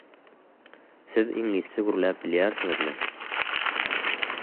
Siz iňlisçe gürläp bilýärsiňizmi?